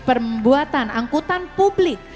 pembuatan angkutan publik